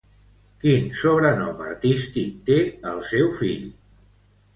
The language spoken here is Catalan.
Quin sobrenom artístic té el seu fill?